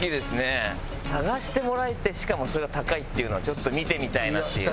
探してもらえてしかもそれが高いっていうのはちょっと見てみたいなっていう。